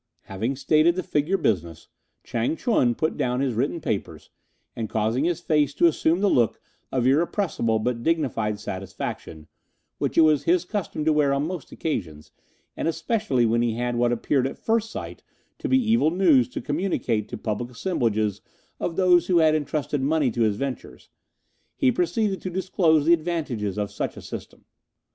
Having stated the figure business, Chang ch'un put down his written papers, and causing his face to assume the look of irrepressible but dignified satisfaction which it was his custom to wear on most occasions, and especially when he had what appeared at first sight to be evil news to communicate to public assemblages of those who had entrusted money to his ventures, he proceeded to disclose the advantages of such a system.